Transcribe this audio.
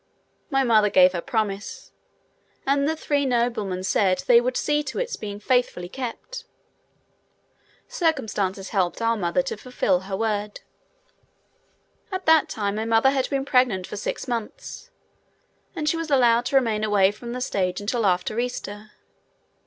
My mother gave her promise, and the three noblemen said that they would see to its being faithfully kept. Circumstances helped our mother to fulfill her word. At that time my mother had been pregnant for six months, and she was allowed to remain away from the stage until after Easter.